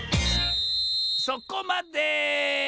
そこまで！